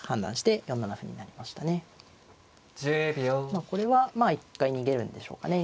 まあこれは一回逃げるんでしょうかね。